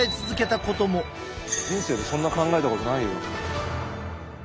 人生でそんな考えたことないよ。